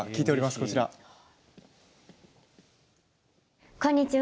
こんにちは。